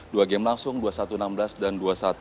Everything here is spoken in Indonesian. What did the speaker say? dua game langsung dua puluh satu enam belas dan dua puluh satu